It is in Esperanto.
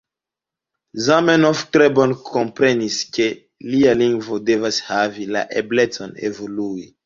Zamenhof tre bone komprenis, ke lia lingvo devas havi la eblecon evolui.